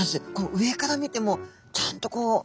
上から見てもちゃんとこう。